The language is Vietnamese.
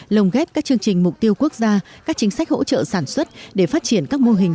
lồng ghép các chương trình mục tiêu quốc gia các chính sách hỗ trợ sản xuất để phát triển các mô hình